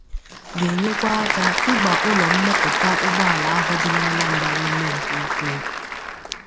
ga-enyekwa aka ịgbà ụlọ mmepụta ụgbọala ahụ dị n'Anambra ume nke ukwuu